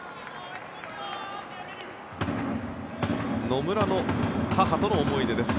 野村の母との思い出です。